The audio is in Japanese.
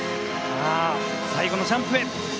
さあ最後のジャンプへ。